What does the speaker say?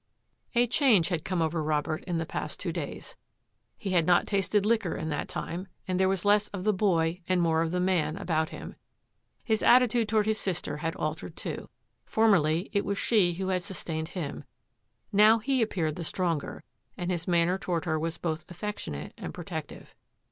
A change had come over Robert in the past two days. He had not tasted liquor in that time and there was less of the boy and more of the man about him. His attitude toward his sister had altered, too. Formerly it was she who had sus tained him; now he appeared the stronger, and his manner toward her was both affectionate and protective.